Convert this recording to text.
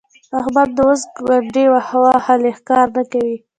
احمد نو اوس ګونډې ووهلې؛ کار نه کوي.